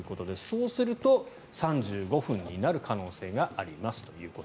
そうすると、３５分になる可能性がありますと。